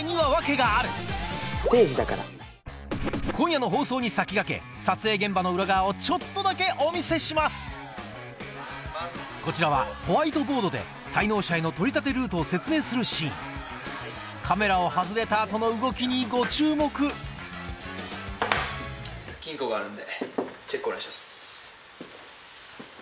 今夜の放送に先駆けこちらはホワイトボードで滞納者への取り立てルートを説明するシーンカメラを外れた後の動きにご注目金庫があるんでチェックお願いします。